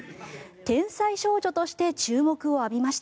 天才少女として注目を浴びました。